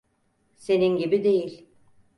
Senin gibi değil.